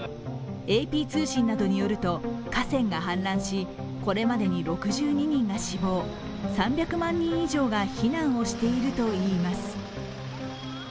ＡＰ通信などによると河川が氾濫し、これまでに６２人が死亡、３００万人人以上が避難しているといいます。